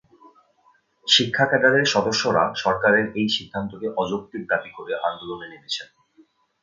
শিক্ষা ক্যাডারের সদস্যরা সরকারের এই সিদ্ধান্তকে অযৌক্তিক দাবি করে আন্দোলনে নেমেছেন।